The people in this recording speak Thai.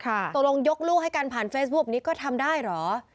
ตกลงยกลูกให้กันผ่านเฟซบุ๊คนี้ก็ทำได้เหรอ